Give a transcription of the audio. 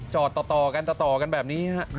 จอดต่อกันแบบนี้